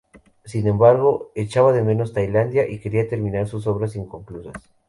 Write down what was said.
Sin embargo, echaba de menos Tailandia y quería terminar sus obras inconclusas.